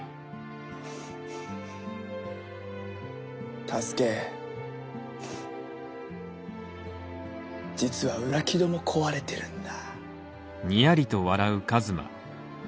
太助実は裏木戸も壊れてるんだ。